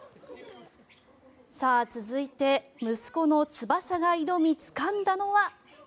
さあ、続いて息子のツバサが挑みつかんだのは。